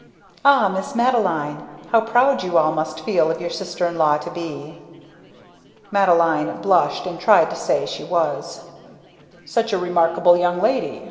Ah, Miss Madeline! How proud you all must feel of your sister in law to be!" Madeline blushed and tried to say she was. "Such a remarkable young lady!"